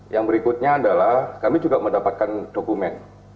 yang berikutnya adalah kami juga mendapatkan dokumen